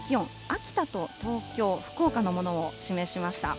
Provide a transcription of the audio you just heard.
秋田と東京、福岡のものを示しました。